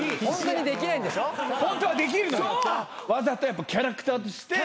わざとキャラクターとして。